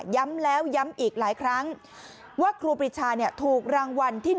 ย้ำแล้วย้ำอีกหลายครั้งว่าครูปรีชาถูกรางวัลที่๑